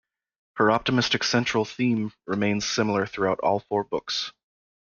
Her optimistic central theme remains similar throughout all four books.